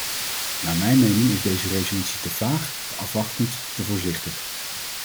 Naar mijn mening is deze resolutie te vaag, te afwachtend, te voorzichtig.